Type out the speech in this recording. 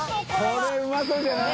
これうまそうじゃない？